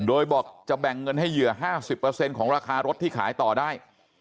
โดยบอกจะแบ่งเงินให้เหยื่อห้าสิบเปอร์เซ็นต์ของราคารถที่ขายต่อได้